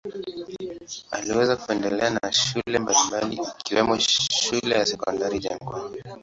Aliweza kuendelea na shule mbalimbali ikiwemo shule ya Sekondari Jangwani.